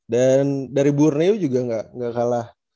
dan dari borneo juga ga kalah